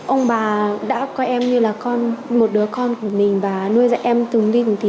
ông bà đã coi em như là một đứa con của mình và nuôi dạy em từng đi từng tí